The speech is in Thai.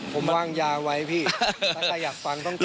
ผมว่างยาไว้พี่ถ้าใครอยากฟังต้องเจอ